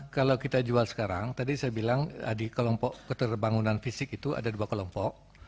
kalau kita jual sekarang tadi saya bilang di kelompok keterbangunan fisik itu ada dua kelompok